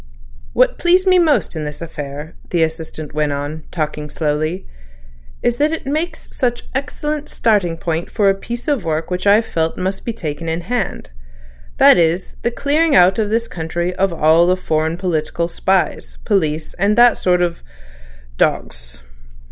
"What pleased me most in this affair," the Assistant went on, talking slowly, "is that it makes such an excellent starting point for a piece of work which I've felt must be taken in hand—that is, the clearing out of this country of all the foreign political spies, police, and that sort of—of—dogs.